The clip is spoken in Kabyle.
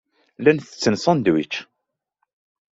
Llan ttetten ṣandwič.